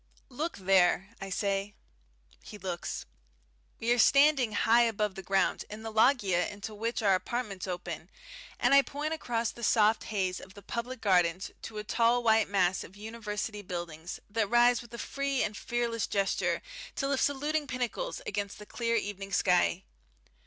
"Look there!" I say. He looks. We are standing high above the ground in the loggia into which our apartments open, and I point across the soft haze of the public gardens to a tall white mass of University buildings that rises with a free and fearless gesture, to lift saluting pinnacles against the clear evening sky.